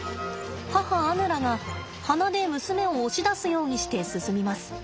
母アヌラが鼻で娘を押し出すようにして進みます。